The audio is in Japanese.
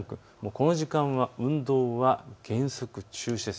この時間、運動は原則中止です。